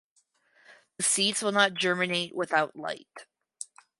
The seeds will not germinate without light.